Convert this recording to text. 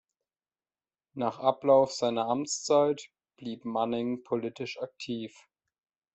Nach Ablauf seiner Amtszeit blieb Manning politisch aktiv.